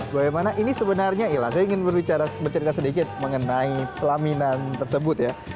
bagaimana ini sebenarnya ila saya ingin mencerita sedikit mengenai pelaminan tersebut ya